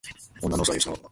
女の嘘は許すのが男だ